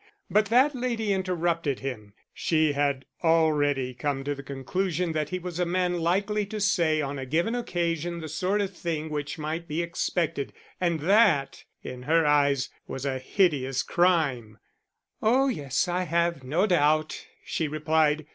But that lady interrupted him: she had already come to the conclusion that he was a man likely to say on a given occasion the sort of thing which might be expected; and that, in her eyes, was a hideous crime. "Oh yes, I have no doubt," she replied.